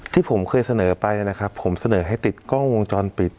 ที่ผมเคยเสนอไปนะครับผมเสนอให้ติดกล้องวงจรปิด